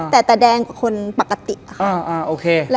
แต่แต่แดงกูคนปกติค่ะ